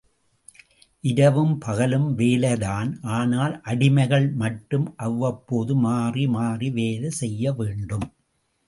இரவும் பகலும் வேலைதான் ஆனால், அடிமைகள் மட்டும் அவ்வப்போது மாறி மாறி வேலை செய்ய வேண்டும்.